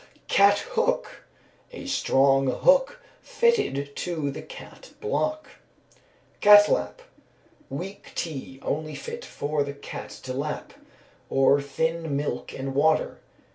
Cat hook. A strong hook fitted to the cat block. Cat lap. Weak tea, only fit for the cat to lap, or thin milk and water.